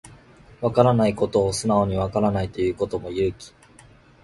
わからないことを素直にわからないと言うことも勇気